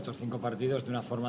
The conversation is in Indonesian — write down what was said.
selama lima pertempuran